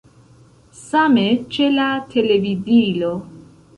Same ĉe la televidilo.